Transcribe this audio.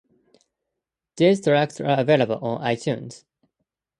These tracks are available on iTunes.